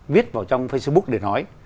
viết vào facebook để nói